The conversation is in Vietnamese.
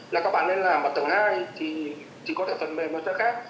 là các bạn ấy làm ở tầng hai thì có thể phần mềm nó sẽ khác